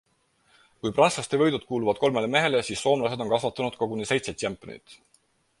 Kui prantslaste võidud kuuluvad kolmele mehele, siis soomlased on kasvatanud koguni seitse tšempionit.